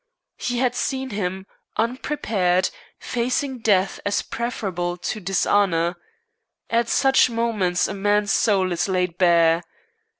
He had seen him, unprepared, facing death as preferable to dishonor. At such moments a man's soul is laid bare.